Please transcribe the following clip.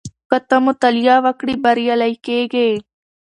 که ته مطالعه وکړې بریالی کېږې.